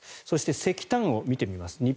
そして石炭を見てみます。